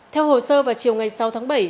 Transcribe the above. theo hồ sơ vào chiều ngày sáu tháng bảy